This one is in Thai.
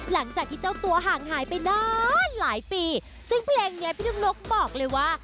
หลังจากที่เจ้าตัวห่างหายไปนานหลายปีซึ่งเพลงนี้พี่นกนกบอกเลยว่า